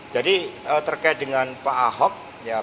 jadi terkait dengan pak ahok